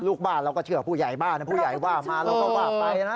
ลูกบ้านเราก็เชื่อผู้ใหญ่บ้านผู้ใหญ่ว่ามาเราก็ว่าไปนะ